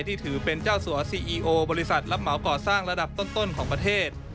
ที่ถือเป็นเจ้าสัวซีอีโอบริษัทรับเหมาก่อสร้างระดับต้นของประเทศ